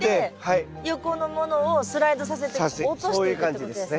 横のものをスライドさせて落としていくってことですね。